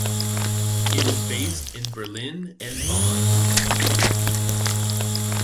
It is based in Berlin and Bonn.